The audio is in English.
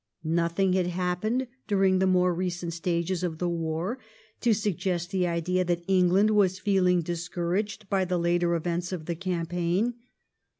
Nothing had happened during the more recent stages of the war to suggest the idea that England was feeling discouraged by the later events of the campaign.